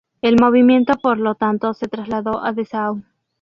El movimiento por lo tanto se trasladó a Dessau.